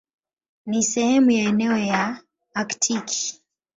Ni sehemu ya eneo la Aktiki.